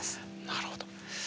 あなるほど。